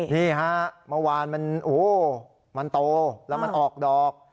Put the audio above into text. นี่ฮะเมื่อวานมันโตแล้วมันออกดอก